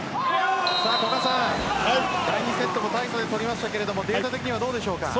第２セットも大差で取りましたがデータ的にはどうでしょうか。